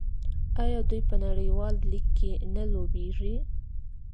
آیا دوی په نړیوال لیګ کې نه لوبېږي؟